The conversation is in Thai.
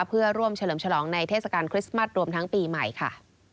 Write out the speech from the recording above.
เพื่อร่วมเฉลิมฉลองในเทศกาลคริสต์มัสรวมทั้งปีใหม่ค่ะ